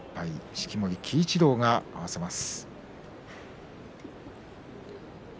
式守鬼一郎が合わせます。